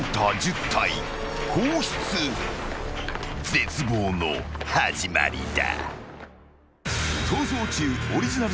［絶望の始まりだ］